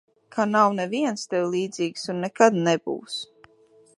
Ka nav nevienas tev līdzīgas un nekad nebūs.